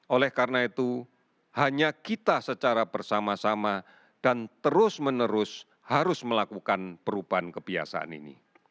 oleh karena itu hanya kita secara bersama sama dan terus menerus harus melakukan perubahan kebiasaan ini